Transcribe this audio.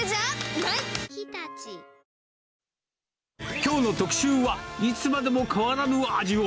きょうの特集は、いつまでも変わらぬ味を。